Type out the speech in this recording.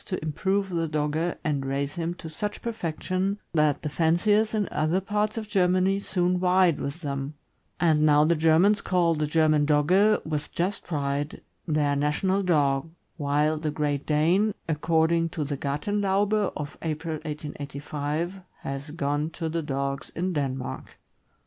to improve the Dogge and raise him to such perfection that the fanciers in other parts of Germany soon vied with them ; and now the Germans call the German Dogge, with just pride, their national dog, while the Great Dane, according to the Gartenlaube of April, 1885, has gone to the dogs in Denmark.